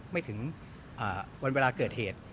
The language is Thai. ไม่ถึงวันเวลาเกิดเหตุ